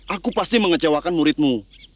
aku pasti mengecewakan muridmu